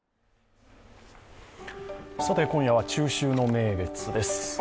さて、今夜は中秋の名月です。